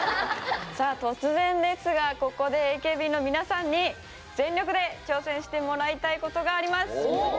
さあ突然ですがここでＡＫＢの皆さんに全力で挑戦してもらいたいことがあります！おお。